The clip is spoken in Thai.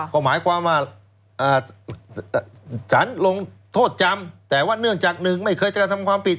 ก็หมายความว่าสารลงโทษจำแต่ว่าเนื่องจากหนึ่งไม่เคยกระทำความผิด